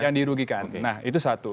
yang dirugikan nah itu satu